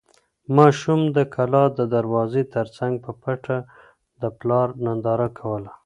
ماشوم د کلا د دروازې تر څنګ په پټه د پلار ننداره کوله.